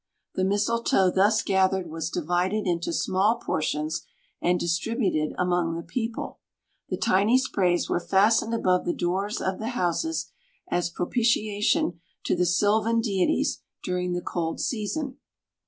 The mistletoe thus gathered was divided into small portions and distributed among the people. The tiny sprays were fastened above the doors of the houses, as propitiation to the sylvan deities during the cold season.